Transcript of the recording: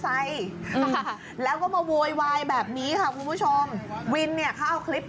นี่ป้าบอกว่าป้าเป็นนักแข่งมาตั้งแต่เด็กแล้วเว้ย